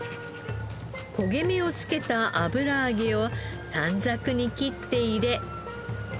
焦げ目を付けた油揚げを短冊に切って入れ。